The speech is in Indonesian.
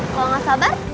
kalau gak sabar